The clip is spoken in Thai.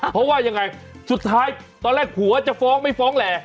เพราะว่ายังไงสุดท้ายตอนแรกผัวจะฟ้องไม่ฟ้องแหล่